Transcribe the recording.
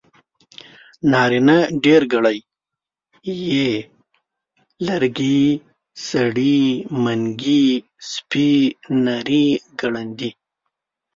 نارينه ډېرګړی ي لرګي سړي منګي سپي نري ګړندي